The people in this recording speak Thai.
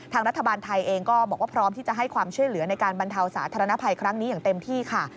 ทางรัฐบาลไทยเองก็บอกว่าพร้อมที่จะให้ความช่วยเหลือในการบรรเทาสาธารณภัยครั้งนี้อย่างเต็มที่ค่ะ